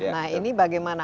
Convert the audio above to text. nah ini bagaimana